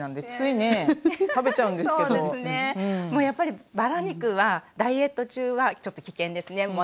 やっぱりバラ肉はダイエット中はちょっと危険ですね。